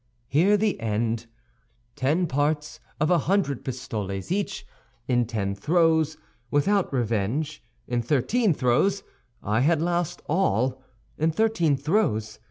"Hear the end. Ten parts of a hundred pistoles each, in ten throws, without revenge; in thirteen throws I had lost all—in thirteen throws.